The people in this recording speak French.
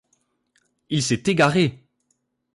Il s’est égaré!